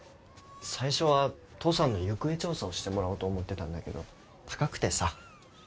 最初は父さんの行方調査をしてもらおうと思ってたんだけど高くてさ。